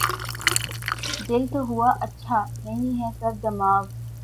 دل تو ہو‘ اچھا‘ نہیں ہے گر دماغ